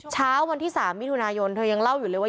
เช้าวันที่๓มิถุนายนเธอยังเล่าอยู่เลยว่า